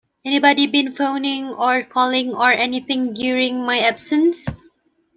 Anybody been phoning or calling or anything during my absence?